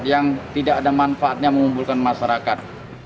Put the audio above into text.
yang tidak ada manfaatnya mengumpulkan masyarakat